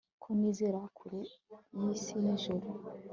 Ko nizera kure yisi nijuru